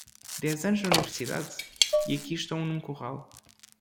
Dez anos na universidade? e aqui estou num curral.